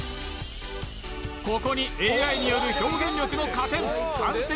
ここにＡｉによる表現力の加点感性